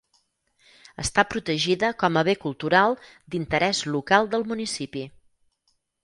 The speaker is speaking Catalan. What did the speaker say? Està protegida com a bé cultural d'interès local del municipi.